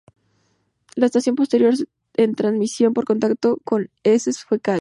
La estación posterior es transmisión por contacto con heces fecales.